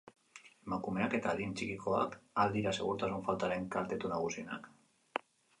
Emakumeak eta adin txikikoak al dira segurtasun faltaren kaltetu nagusienak?